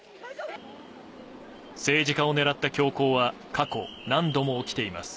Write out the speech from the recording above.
政治家を狙った凶行は過去、何度も起きています。